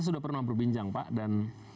baik pak giflan kita berbincang lagi nanti